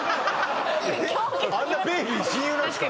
あんなベイビー親友なんですか？